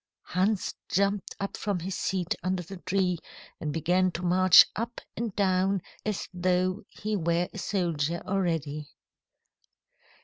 Hans jumped up from his seat under the tree and began to march up and down as though he were a soldier already.